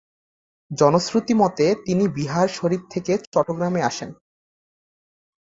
জনশ্রুতি মতে তিনি বিহার শরীফ থেকে চট্টগ্রামে আসেন।